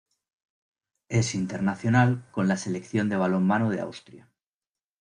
Es internacional con la Selección de balonmano de Austria.